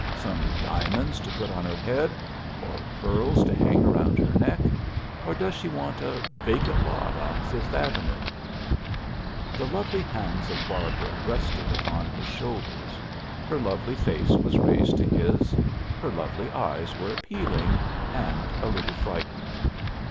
Some diamonds to put on her head, or pearls to hang around her neck, or does she want a vacant lot on Fifth Avenue?" The lovely hands of Barbara rested upon his shoulders; her lovely face was raised to his; her lovely eyes were appealing, and a little frightened.